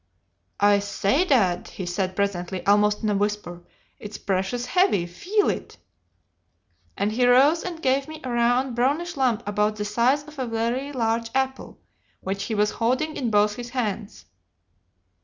"'I say, Dad,' he said presently, almost in a whisper, 'it's precious heavy, feel it;' and he rose and gave me a round, brownish lump about the size of a very large apple, which he was holding in both his hands.